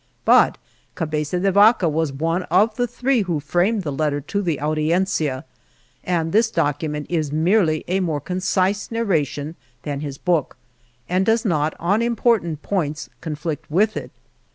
But Cabeza de Vaca was one of the three who framed the Letter to the Audiencia, and this document is merely a more concise narration than his book, and does not, on important points, conflict with it.